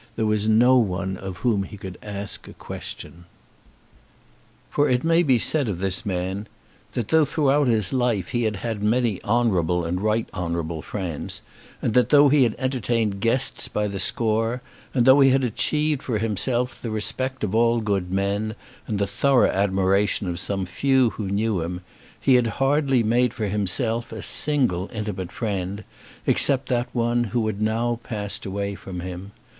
There was no one of whom he could ask a question. For it may be said of this man that, though throughout his life he had had many Honourable and Right Honourable friends, and that though he had entertained guests by the score, and though he had achieved for himself the respect of all good men and the thorough admiration of some few who knew him, he had hardly made for himself a single intimate friend except that one who had now passed away from him.